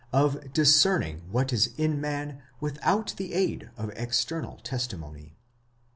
of discerning what is in man without the aid of external testimony.